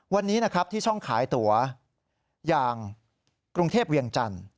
วันนี้นะครับที่ช่องขายตั๋วอย่างกรุงเทพเวียงจันทร์